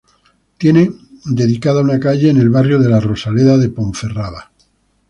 Tiene dedicada una calle en el barrio de "La Rosaleda" de Ponferrada.